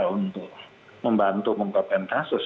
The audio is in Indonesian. untuk membantu mengupas kasus